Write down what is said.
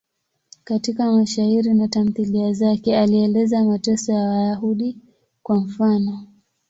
Katika mashairi na tamthiliya zake alieleza mateso ya Wayahudi, kwa mfano.